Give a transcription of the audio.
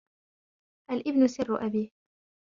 الإبن سر أبيه